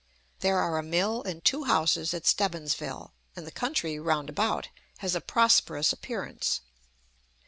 There are a mill and two houses at Stebbinsville, and the country round about has a prosperous appearance.